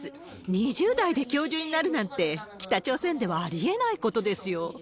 ２０代で教授になるなんて、北朝鮮ではありえないことですよ。